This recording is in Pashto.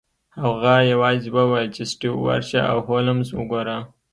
هغه یوازې وویل چې سټیو ورشه او هولمز وګوره